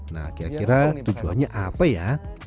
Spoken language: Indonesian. nah kira kira tujuannya apa ya